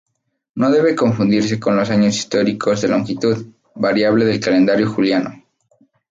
No debe confundirse con los años históricos de longitud variable del calendario juliano.